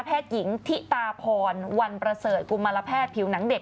หญิงทิตาพรวันประเสริฐกุมารแพทย์ผิวหนังเด็ก